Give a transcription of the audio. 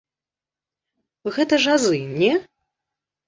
Гэта ж азы, не?